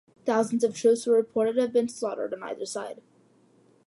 Thousands of troops were reported to have been slaughtered on either side.